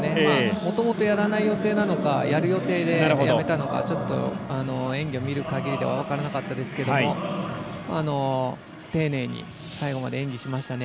もともとやらない予定なのかやる予定でやめたのかちょっと演技を見るかぎりでは分からなかったですけど丁寧に最後まで演技しましたね。